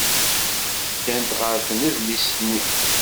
Ddant ɣer tnedlist-nni.